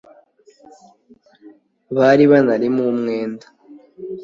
bari banabarimo umwenda